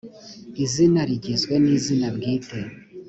izina rigizwe n izina bwite